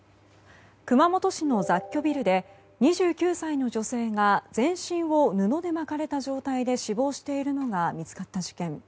熊本市の雑居ビルで２９歳の女性が全身を布で巻かれた状態で死亡しているのが見つかった事件。